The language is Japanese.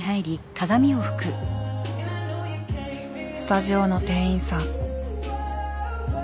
スタジオの店員さん。